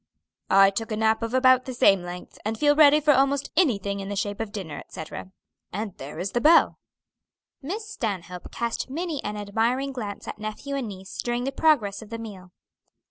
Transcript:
"I took a nap of about the same length, and feel ready for almost anything in the shape of dinner, etc. And there is the bell." Miss Stanhope cast many an admiring glance at nephew and niece during the progress of the meal.